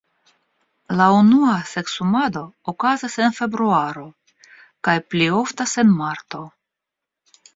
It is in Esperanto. La unua seksumado okazas en februaro kaj pli oftas en marto.